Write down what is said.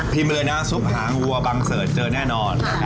มาเลยนะซุปหางวัวบังเสิร์ตเจอแน่นอน